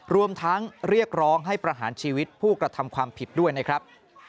รวมทั้งเรียกร้องให้ประหารชีวิตผู้กระทำความผิดด้วยนะครับ